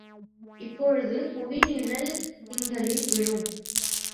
இப்பொழுது புவிநிழல் திங்களில் விழும்.